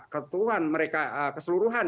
ketuhan mereka keseluruhan